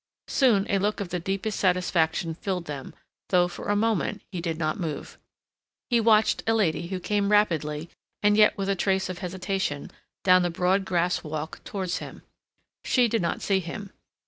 Soon a look of the deepest satisfaction filled them, though, for a moment, he did not move. He watched a lady who came rapidly, and yet with a trace of hesitation, down the broad grass walk towards him. She did not see him.